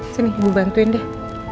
sini ibu bantuin deh